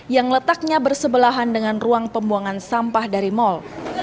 yang letaknya bersebelahan dengan ruang pembuangan sampah dari mal